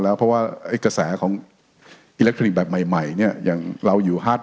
แล้วเพราะว่าเอ๊ยกระแสของแบบใหม่เนี้ยอย่างเราอยู่